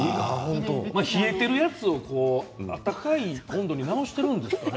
冷えているやつを温かい温度に直しているんですかね。